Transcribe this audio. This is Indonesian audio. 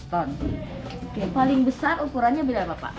seratus ton oke paling besar ukurannya berapa pak